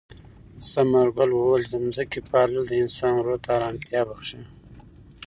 ثمرګل وویل چې د ځمکې پالل د انسان روح ته ارامتیا بښي.